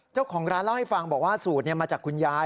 เจ้าของร้านเล่าให้ฟังบอกว่าสูตรมาจากคุณยาย